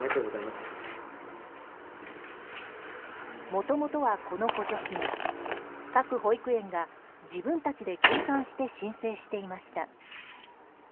もともとは、この補助金各保育園が自分たちで計算して申請していました。